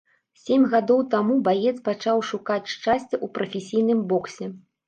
Сем гадоў таму баец пачаў шукаць шчасця ў прафесійным боксе.